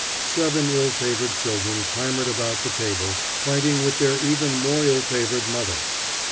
Seven ill favored children clamored about the table, fighting with their even more ill favored mother.